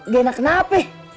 gak enak kenapa